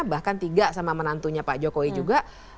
bahkan tiga sama menantunya pak jokowi juga